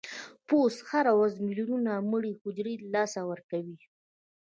پوست هره ورځ ملیونونه مړه حجرې له لاسه ورکوي.